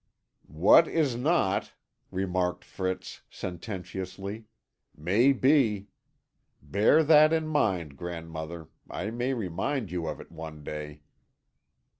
"What is not," remarked Fritz sententiously, "may be. Bear that in mind, grandmother; I may remind you of it one day."